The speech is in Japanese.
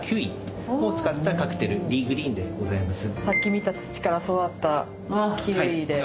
さっき見た土から育ったキウイで。